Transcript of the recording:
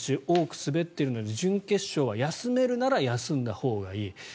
多く滑っているので準決勝は休めるなら休んだほうがいい。